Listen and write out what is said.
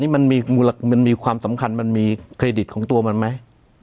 มันมีความสำคัญมันมีเครดิตของตัวมันไหม